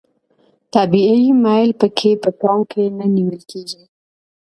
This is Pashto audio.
طبیعي میل پکې په پام کې نه نیول کیږي.